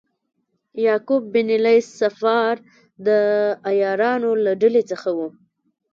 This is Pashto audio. یعقوب بن لیث صفار د عیارانو له ډلې څخه و.